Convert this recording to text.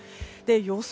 予想